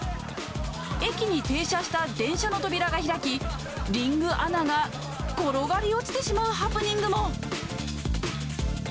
駅に停車した電車の扉が開き、リングアナが転がり落ちてしまうハプニングも。